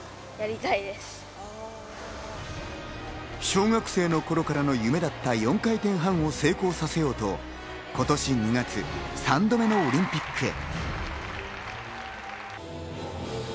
小学生の頃からの夢だった４回転半を成功させようと、今年２月、３度目のオリンピックへ。